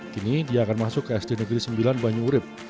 kini dia akan masuk ke sd negeri sembilan banyurib